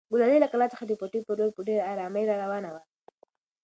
ګلالۍ له کلا څخه د پټي په لور په ډېرې ارامۍ راروانه وه.